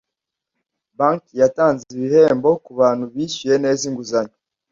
bank yatanze ibihembo ku bantu bishyuye neza inguzanyo